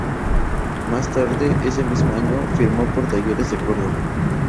Más tarde ese mismo año, firmó por Talleres de Córdoba.